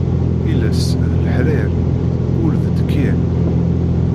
Iles d leḥrir, ul d ddkir.